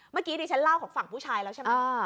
เมื่อกี้ดิฉันเล่าของฝั่งผู้ชายแล้วใช่ไหม